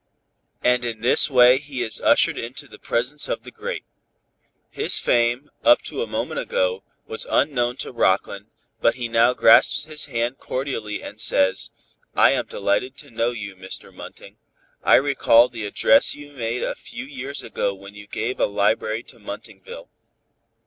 And in this way he is ushered into the presence of the great. His fame, up to a moment ago, was unknown to Rockland, but he now grasps his hand cordially and says, "I am delighted to know you, Mr. Munting. I recall the address you made a few years ago when you gave a library to Muntingville.